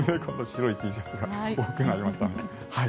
白いＴシャツが多くなりました。